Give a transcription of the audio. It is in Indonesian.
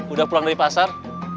udah pulang dari pasar